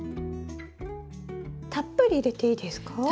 たっぷり入れていいですか？